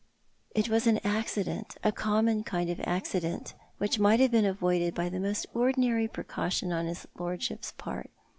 It was an accident, a common kind of accident, •which might have been avoided by the most ordinary iirecautiou on his lordship's part.